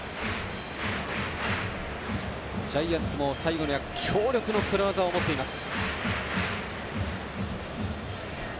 ジャイアンツも最後に強力なクローザーを持っています。